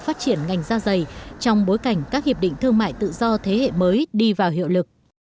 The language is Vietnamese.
phát triển ngành da dày trong bối cảnh các hiệp định thương mại tự do thế hệ mới đi vào hiệu lực